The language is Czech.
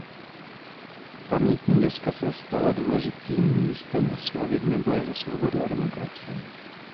Pamětní deska se stala důležitým místem oslav Dne boje za svobodu a demokracii.